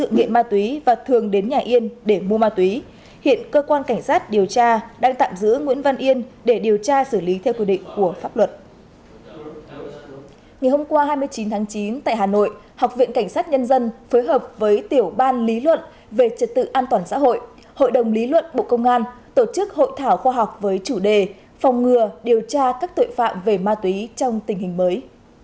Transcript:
ngày hôm qua hai mươi chín tháng chín tại hà nội học viện cảnh sát nhân dân phối hợp với tiểu ban lý luận về trật tự an toàn xã hội hội đồng lý luận bộ công an tổ chức hội thảo khoa học với chủ đề phòng ngừa điều tra các tội phạm về ma túy trong tình hình mới